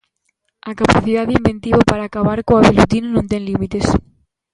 A capacidade inventiva para acabar coa velutina non ten límites.